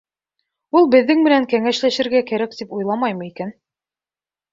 Ул беҙҙең менән кәңәшләшергә кәрәк тип уйламаймы икән?